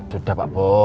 sudah pak bos